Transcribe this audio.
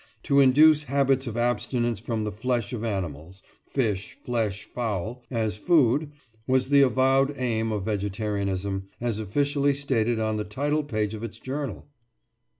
"To induce habits of abstinence from the flesh of animals (fish, flesh, fowl) as food" was the avowed aim of vegetarianism, as officially stated on the title page of its journal.